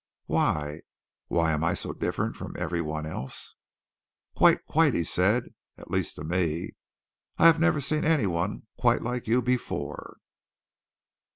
"Why, why, am I so different from everyone else?" "Quite, quite," he said; "at least to me. I have never seen anyone quite like you before."